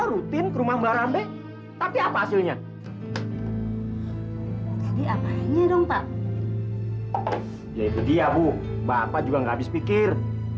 rude rumah baramde tapi apa hasilnya di ng maniperm pimpa hai keju dia bu bapak juga gabis pikir